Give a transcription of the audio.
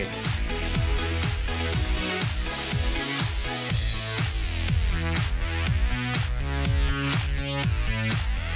รสชาติดี